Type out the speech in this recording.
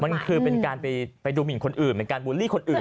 มันคือเป็นการไปดูหมินคนอื่นเป็นการบูลลี่คนอื่น